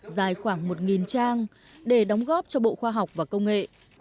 dài khoảng một trang để đóng góp cho bộ khoa học và công nghệ